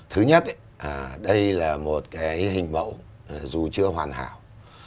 thứ nhất đây là một cái hình mẫu dù chưa hoàn hảo